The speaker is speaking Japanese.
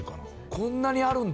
こんなにあるんだ。